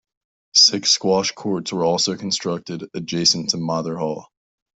Six squash courts were also constructed, adjacent to Mather Hall.